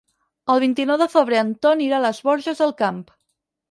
El vint-i-nou de febrer en Ton irà a les Borges del Camp.